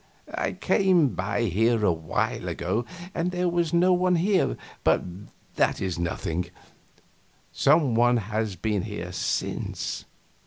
"I came by here a while ago, and there was no one here, but that is nothing; some one has been here since.